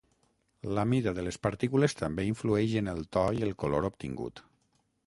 La mida de les partícules també influeix en el to i color obtingut.